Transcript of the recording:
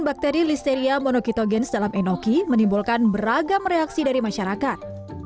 bakteri listeria monokitogenes dalam enoki menimbulkan beragam reaksi dari masyarakat